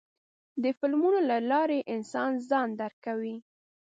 د فلمونو له لارې انسان ځان درکوي.